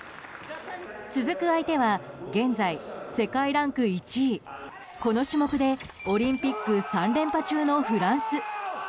続く相手は現在、世界ランク１位この種目でオリンピック３連覇中のフランス。